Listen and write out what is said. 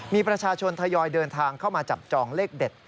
มีประชาชนทยอยเดินทางเข้ามาจับจองเลขเด็ด